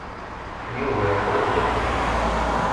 Yuba yeḥwaǧ afus.